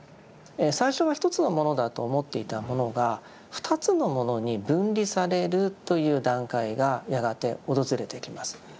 最初は１つのものだと思っていたものが２つのものに分離されるという段階がやがて訪れてきます。